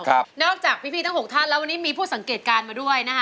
ครับนอกจากพี่พี่ทั้งหกท่านแล้ววันนี้มีผู้สังเกตการณ์มาด้วยนะคะ